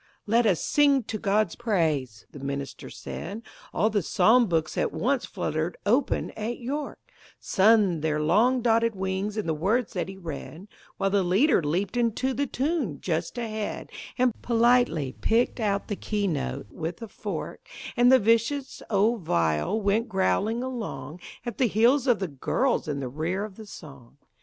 "Let us sing to God's praise," the minister said, All the psalm books at once fluttered open at "York," Sunned their long dotted wings in the words that he read, While the leader leaped into the tune just ahead, And politely picked out the key note with a fork, And the vicious old viol went growling along At the heels of the girls in the rear of the song.